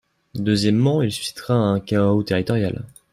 Deuxièmement, il suscitera un chaos territorial.